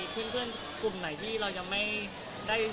หรือกลุ่มไหนก็ไม่ได้รู้